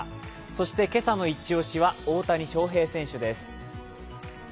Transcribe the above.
そして今朝のイチ押しは大谷翔平選手です。